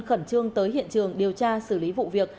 khẩn trương tới hiện trường điều tra xử lý vụ việc